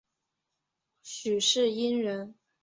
许世英人。